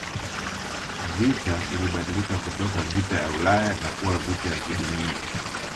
Vita ilibadilika kutoka vita ya Ulaya na kuwa vita ya kidunia